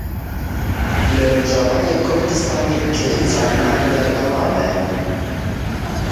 Li Rojavayê Kurdistanê krîza nan berdewam e.